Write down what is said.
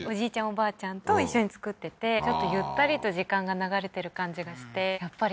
おばあちゃんと一緒に作っててちょっとゆったりと時間が流れてる感じがしてやっぱりいいですねはい